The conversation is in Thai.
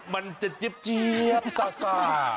มันจะเจ็บซ่า